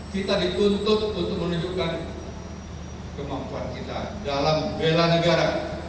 kita dituntut untuk menunjukkan kemampuan kita dalam bela negara